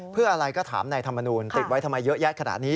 เพื่ออะไรก็ถามนายธรรมนูลติดไว้ทำไมเยอะแยะขนาดนี้